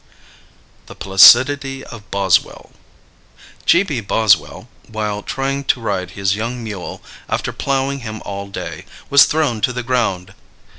_ THE PLACIDITY OF BOSWELL. G.B. Boswell, while trying to ride his young mule after plowing him all day, was thrown to the ground.